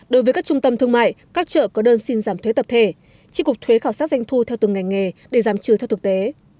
đối với các trung tâm thương mại các chợ có đơn xin giảm thuế tập thể tri cục thuế khảo sát doanh thu theo từng ngành nghề để giảm trừ theo thực tế